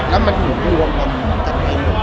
แล้วมันหงวงดวงต่อกันไว้อยู่